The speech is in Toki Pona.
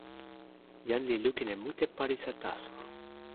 jan li lukin e mute palisa taso.